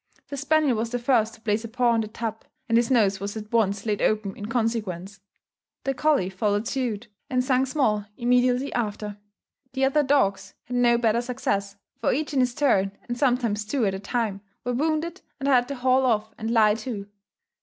The spaniel was the first to place a paw on the tub; and his nose was at once laid open in consequence. The colley followed suit, and sung small immediately after. The other dogs had no better success; for each in his turn, and sometimes two at a time, were wounded, and had to haul off and lie too.